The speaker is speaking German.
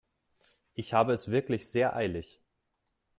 Ich habe es wirklich sehr eilig.